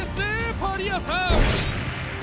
パリアさん？